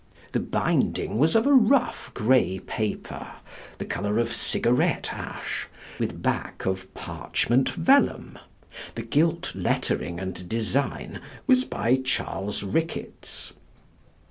The binding was of a rough grey paper, the colour of cigarette ash, with back of parchment vellum. The gilt lettering and design was by Charles Ricketts.